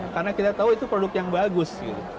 karena kita tahu itu produk yang bagus